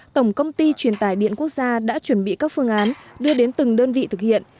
tổng công ty truyền tài điện quốc gia đã chuẩn bị các phương án đưa đến từng đơn vị thực hiện